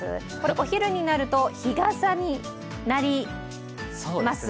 お昼になると日傘になります。